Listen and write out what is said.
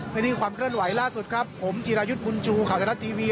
ในที่ความเคลื่อนไหวล่าสุดครับผมจิรายุทธิ์มุนจูขาวแชร์ทัศน์ทีวี